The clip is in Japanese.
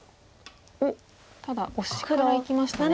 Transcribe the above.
おっただオシからいきましたね。